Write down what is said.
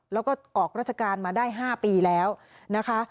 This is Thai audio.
แล้วก็ออกราชการมาได้๕ปีแล้วนะคะ